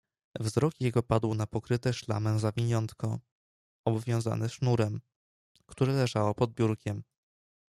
"Wzrok jego padł na pokryte szlamem zawiniątko, obwiązane sznurem, które leżało pod biurkiem."